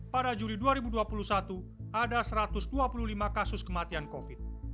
pada juli dua ribu dua puluh satu ada satu ratus dua puluh lima kasus kematian covid